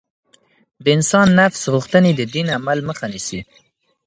د انسان نفس غوښتنې د دين د عمل مخه نيسي.